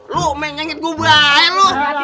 lu mengingat gue baik